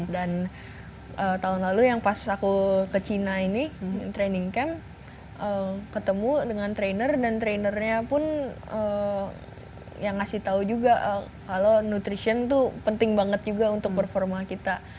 dan tahun lalu yang pas aku ke china ini training camp ketemu dengan trainer dan trainernya pun ya ngasih tau juga kalau nutrition tuh penting banget juga untuk performa kita